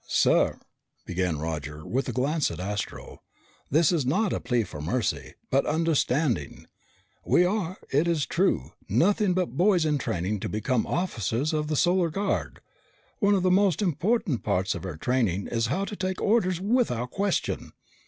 "Sir," began Roger, with a glance at Astro, "this is not a plea for mercy but understanding. We are, it is true, nothing but boys in training to become officers of the Solar Guard. One of the most important parts of our training is how to take orders without question.